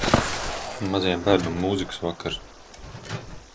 Mazajam bērnam mūzikas vakars.